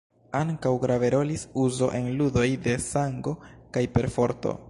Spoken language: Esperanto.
Ankaŭ grave rolis uzo en ludoj de sango kaj perforto.